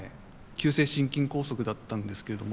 急性心筋梗塞だったんですけれども。